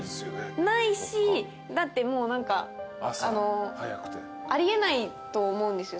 ないしだって何かあり得ないと思うんですよ。